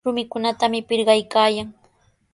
Rumikunatami pirqaykaayan.